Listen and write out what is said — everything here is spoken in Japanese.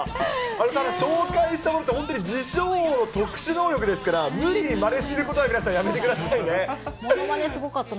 たぶん紹介したものって、自称王の特殊能力ですから、無理にまねすることは皆さん、ものまねすごかったな。